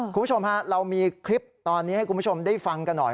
คุณผู้ชมฮะเรามีคลิปตอนนี้ให้คุณผู้ชมได้ฟังกันหน่อย